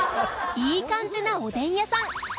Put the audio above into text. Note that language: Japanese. いい感じなおでん屋さん